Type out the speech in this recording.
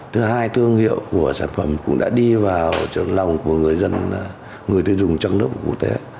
thứ hai thương hiệu của sản phẩm cũng đã đi vào trường lòng của người dân người tiêu dùng trong nước và quốc tế